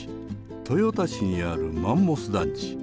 豊田市にあるマンモス団地。